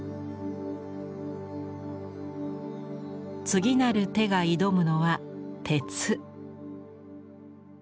次なる手が挑むのは鉄。